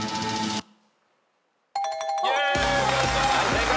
正解！